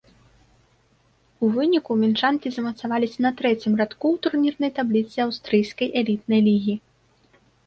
У выніку мінчанкі замацаваліся на трэцім радку ў турнірнай табліцы аўстрыйскай элітнай лігі.